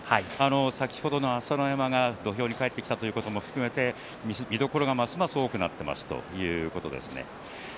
先ほどの朝乃山、土俵に帰ってきたということも含めて見どころが、ますます多くなっていますということです。